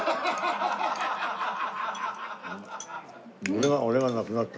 俺が俺がなくなった。